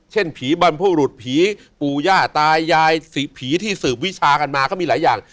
ผีบรรพบรุษผีปู่ย่าตายายผีที่สืบวิชากันมาก็มีหลายอย่าง